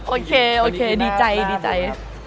โอเคโอเคดีใจ